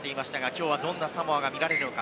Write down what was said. きょうはどんなサモアが見られるのか？